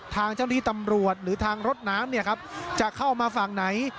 ทางที่ตำรวจหรือทางรถน้ำเนี่ยครับจะเข้ามาฝั่งไหน